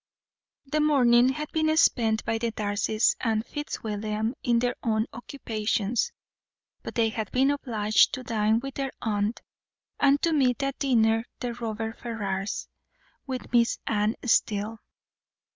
The morning had been spent by the Darcys and Fitzwilliam in their own occupations; but they had been obliged to dine with their aunt, and to meet at dinner the Robert Ferrars, with Miss Anne Steele.